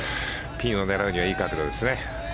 ピンを狙うにはいい角度ですね。